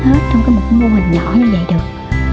hết trong một mô hình nhỏ như vậy được